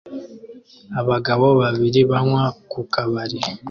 Abagabo babiri banywa ku kabari